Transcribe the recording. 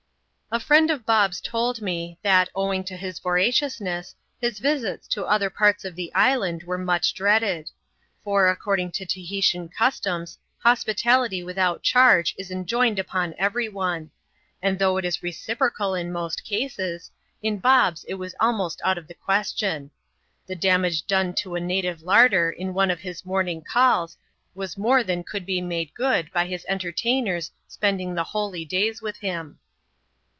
A friend of Bob's told me, that, owing to his voraciousness, his visits to other parts of the island were much dreaded ; for, according to Tahitian customs, hospitality without charge is ?< enjoined upon every one ; and though it is reciprocal in most cases, in Bob's it was almost out of the question. The damage ^ done to a native larder in one of his morning calls was more than could be made good by his entertainer's spending the blydays with him.